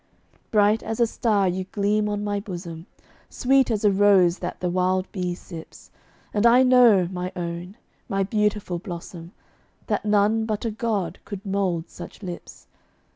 Bright as a star you gleam on my bosom, Sweet as a rose that the wild bee sips; And I know, my own, my beautiful blossom, That none but a God could mould such lips.